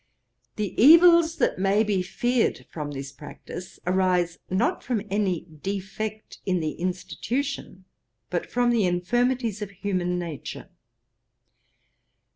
The evils that may be feared from this practice arise not from any defect in the institution, but from the infirmities of human nature.